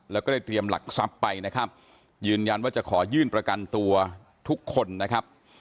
แล้วก็ได้เตรียมหลักทรัพย์ไปนะครับยืนยันว่าจะขอยื่นประกันตัวทุกคนนะครับ